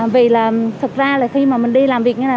vì là thật ra là khi mà mình đi làm việc như thế này